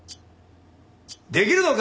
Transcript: できるのか？